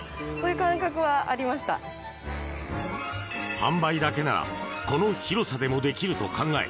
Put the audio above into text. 販売だけならこの広さでもできると考え